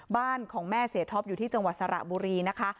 บ้านของแม่เสียท็อปอยู่ที่จังหวัดสระบุรีนะคะ